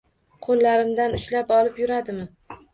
Qo’llarimdan ushlab olib yuradimi?